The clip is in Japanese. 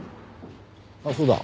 あっそうだ。